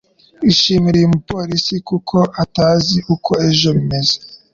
Ishimire uyu munsi.kuko utazi uko ejo bimeze